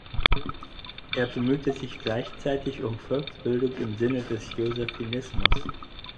Er bemühte sich gleichzeitig um Volksbildung im Sinne des Josephinismus.